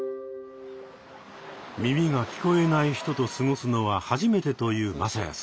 耳が聞こえない人と過ごすのは初めてという匡哉さん。